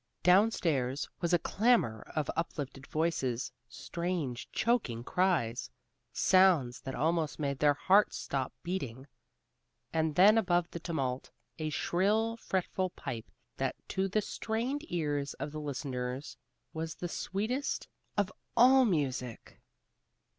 Down stairs was a clamor of uplifted voices, strange, choking cries, sounds that almost made the heart stop beating. And then above the tumult, a shrill fretful pipe that to the strained ears of the listeners was the sweetest of all sweet music.